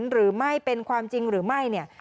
หรือไม่เป็นความจริงหรือไม่เนี่ย